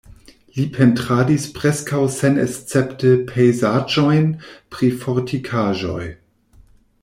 Li pentradis preskaŭ senescepte pejzaĝojn pri fortikaĵoj.